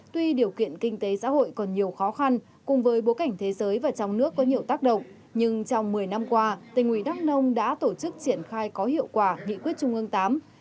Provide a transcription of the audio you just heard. tuy điều kiện kinh tế xã hội còn nhiều khó khăn cùng với bối cảnh thế giới và trong nước có nhiều tác động nhưng trong một mươi năm qua tỉnh ủy đắk nông đã tổ chức triển khai có hiệu quả nghị quyết trung ương viii